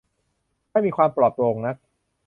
ไม่มีความปลอดโปร่งนัก